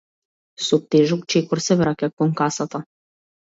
Со тежок чекор се враќа кон касата.